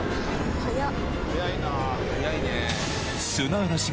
早っ！